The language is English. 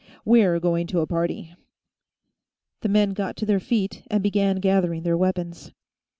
"We're going to a party." The men got to their feet and began gathering their weapons.